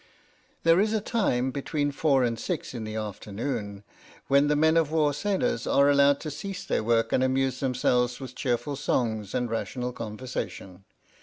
There is a time, between four and six in the after noon, when the men of war sailors are allowed to cease their work and amuse themselves with cheer ful songs and rational conversation.